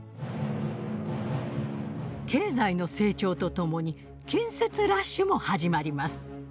経済の成長と共に建設ラッシュも始まります。